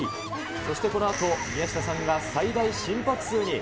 そしてこのあと、宮下さんが最大心拍数に。